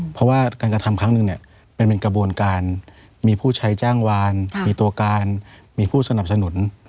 เพราะว่าการกระทำครั้งหนึ่งเนี่ยมันเป็นกระบวนการมีผู้ใช้จ้างวานมีตัวการมีผู้สนับสนุน